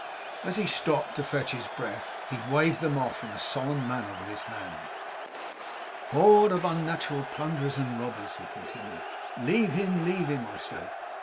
As he stopped to fetch his breath, he waved them off, in a solemn manner, with his hand. 'Horde of unnatural plunderers and robbers!' he continued; 'leave him! leave him, I say!